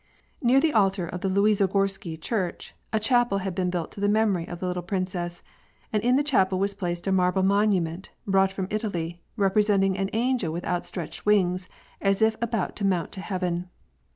Near the altar of the Luisorgorsky church, a chapel had been built to the memory of the little princess, and in the chapel was placed a marble monument brought from Italy, representing an angel with outstretched wings as if about to mount to heaven.